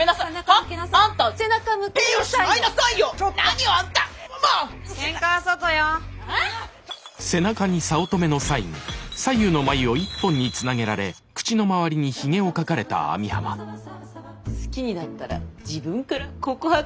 「好きになったら自分から告白します」だっけ？